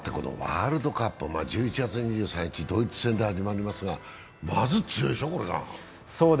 なんたって、ワールドカップ１１月２３日、ドイツ戦で始まりますがまず強いでしょう、ここが。